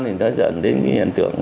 thì nó dẫn đến cái nhận tượng